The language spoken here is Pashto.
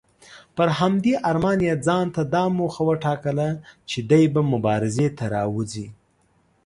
پر همدې ارمان یې ځانته دا موخه وټاکله چې دی به مبارزې ته راوځي.